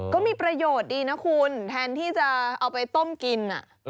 ก็มีประโยชน์ดีนะคุณแทนที่จะเอาไปต้มกิน